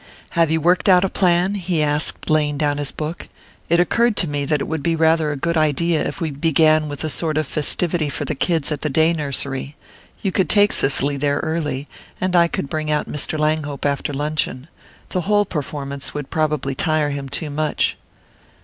"Have you worked out a plan?" he asked, laying down his book. "It occurred to me that it would be rather a good idea if we began with a sort of festivity for the kids at the day nursery. You could take Cicely there early, and I could bring out Mr. Langhope after luncheon. The whole performance would probably tire him too much."